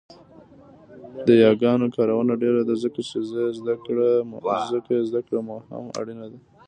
د یاګانو کارونه ډېره ده ځکه يې زده کړه هم اړینه ده